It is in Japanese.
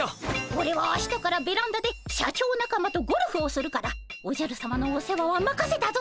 オレは明日からベランダで社長仲間とゴルフをするからおじゃるさまのお世話はまかせたぞ。